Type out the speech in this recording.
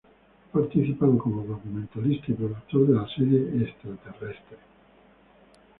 Ha participado como documentalista y productor de la serie "¿Extraterrestres?